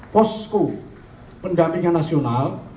posku pendampingan nasional